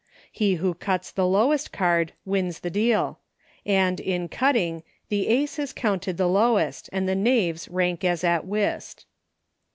He who cuts the lowest card wins the deal ; and, in cutting, the Ace is accounted the lowest, and the Knaves rank as at Whist.